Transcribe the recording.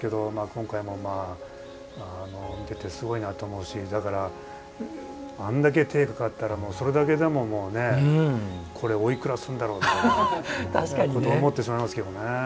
今回も見ててすごいなと思うしあんだけ、手がかかったらそれだけでもこれ、おいくらするんだろう？と思ってしまいますけどね。